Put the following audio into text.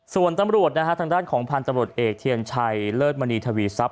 ส่วนตำรวจทางด้านภันทร์ตำรวจเอกเทียนไชเลอดมณีทวีซับ